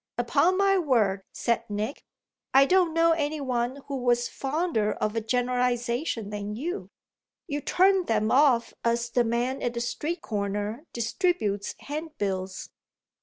"Upon my word," said Nick, "I don't know any one who was fonder of a generalisation than you. You turned them off as the man at the street corner distributes hand bills."